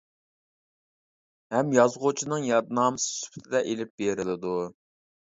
ھەم يازغۇچىنىڭ يادنامىسى سۈپىتىدە ئېلىپ بېرىلىدۇ.